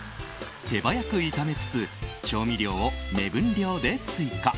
手早く炒めつつ調味料を目分量で追加。